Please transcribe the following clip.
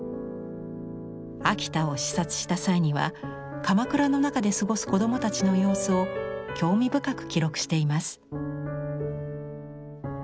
秋田を視察した際にはかまくらの中で過ごす子供たちの様子を興味深く記録しています。